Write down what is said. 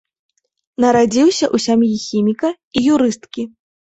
Нарадзіўся ў сям'і хіміка і юрысткі.